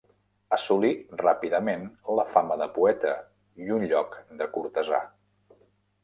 Assolí ràpidament la fama de poeta i un lloc de cortesà.